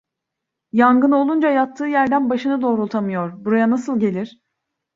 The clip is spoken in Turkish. Yangını olunca yattığı yerden başını doğrultamıyor, buraya nasıl gelir?